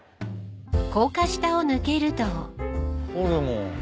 ホルモン。